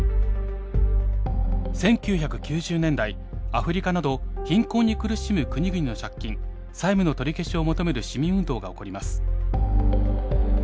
１９９０年代アフリカなど貧困に苦しむ国々の借金債務の取り消しを求める市民運動が起こります。